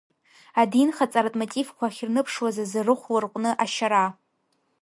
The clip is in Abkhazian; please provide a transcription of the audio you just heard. Адинхаҵаратә мотивқәа ахьырныԥшуаз азы рыхә ларҟәны ашьара.